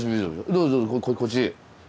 どうぞどうぞこっちへ。